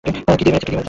কী দিয়ে মেরেছে?